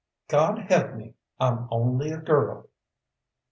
"God help me, I'm only a girl."